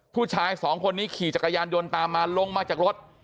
ผู้ชายสองคนนี้ขี่จักรยานยนต์ตามมาลงมาจากรถ